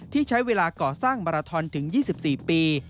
ที่ใช้เวลาก่อสร้างมาราทอนถึง๒๔ปี